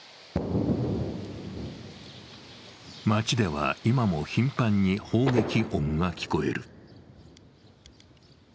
街では今も頻繁に砲撃音が聞こえる。